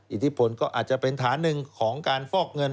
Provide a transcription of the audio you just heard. อิทธิพลก็อาจจะเป็นฐานหนึ่งของการฟอกเงิน